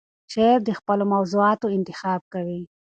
شاعر د خپلو موضوعاتو انتخاب کوي.